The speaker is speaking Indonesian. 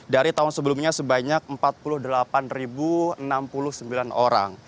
dari tahun sebelumnya sebanyak empat puluh delapan enam puluh sembilan orang